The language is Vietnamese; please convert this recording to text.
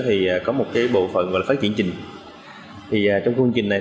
thì có một cái bộ phận gọi là phát triển trình thì trong khung chương trình này